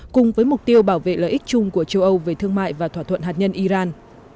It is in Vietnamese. cùng với mục tiêu bảo vệ lợi ích chung của châu âu về thương mại và thỏa thuận hạt nhân iran